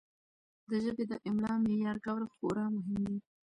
د ژبې د املاء معیار کول خورا مهم دي.